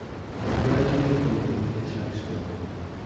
He graduated from The English High School.